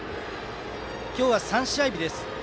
今日は、３試合日です。